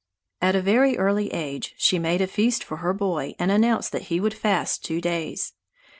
At a very early age she made a feast for her boy and announced that he would fast two days.